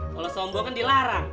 kalau sombong kan dilarang